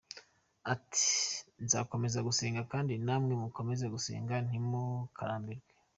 Ati : “Nzakokomeza gusenga kandi namwe mukomeze gusenga ntimukarambirwe.